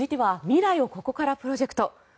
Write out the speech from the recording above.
続いては未来をここからプロジェクト。